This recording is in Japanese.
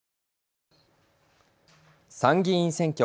参議院選挙。